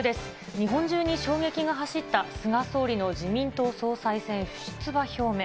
日本中に衝撃が走った菅総理の辞任と総裁選出馬表明。